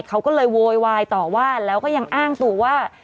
เขาก็เลยโวยวายต่อว่าแล้วก็ยังอ้างตัวว่า